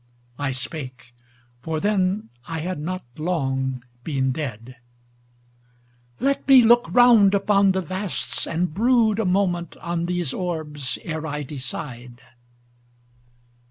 I spake for then I had not long been dead "Let me look round upon the vasts, and brood A moment on these orbs ere I decide